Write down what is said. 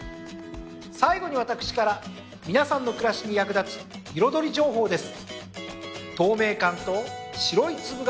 最後に私から皆さんの暮らしに役立つ彩り情報です。